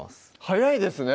早いですね